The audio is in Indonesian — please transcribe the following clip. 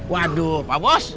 waduh pak bos